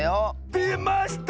でました！